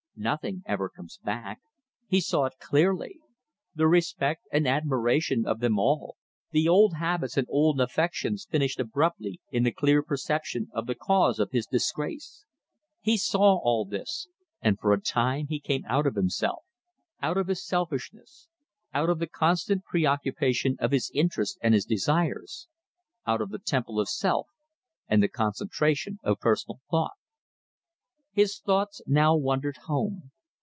Nothing ever comes back. He saw it clearly. The respect and admiration of them all, the old habits and old affections finished abruptly in the clear perception of the cause of his disgrace. He saw all this; and for a time he came out of himself, out of his selfishness out of the constant preoccupation of his interests and his desires out of the temple of self and the concentration of personal thought. His thoughts now wandered home.